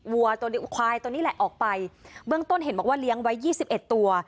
วัวควายตอนนี้แหละออกไปเบื้องต้นเห็นบอกว่าเลี้ยงไว้๒๑ตัว